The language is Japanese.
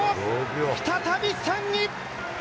再び３位。